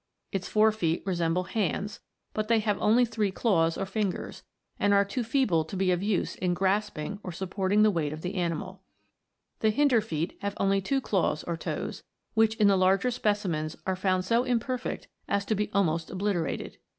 Its fore feet resemble hands, but they have only three claws or fingers, and are too feeble to be of use in grasping or supporting the weight of the animal. The hinder feet have only two claws or toes, which in the larger specimens are found so imperfect as to be almost obliterated.